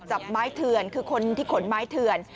จับไม้เถื่อนคือคนที่ขนไม้เถื่อน